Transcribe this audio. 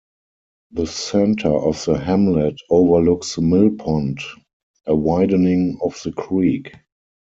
The center of the hamlet overlooks Mill Pond, a widening of the creek.